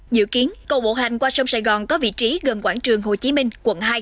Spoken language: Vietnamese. dự kiến cầu bộ hành qua sông sài gòn có vị trí gần quảng trường hồ chí minh quận hai